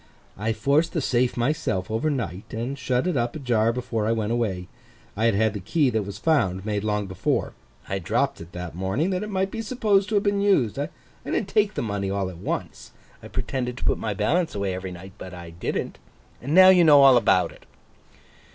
'I forced the safe myself over night, and shut it up ajar before I went away. I had had the key that was found, made long before. I dropped it that morning, that it might be supposed to have been used. I didn't take the money all at once. I pretended to put my balance away every night, but I didn't. Now you know all about it.